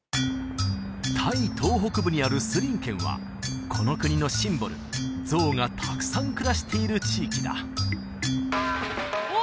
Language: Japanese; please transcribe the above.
タイ東北部にあるスリン県はこの国のシンボルゾウがたくさん暮らしている地域だおお！